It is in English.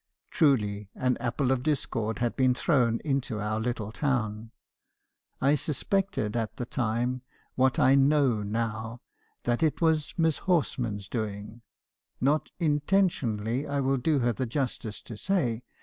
Truly, an apple of discord had been thrown into our little town. I suspected, at the time, what I know now, that it was Miss Horsman's doing; not intentionally, I will do her the justice to say.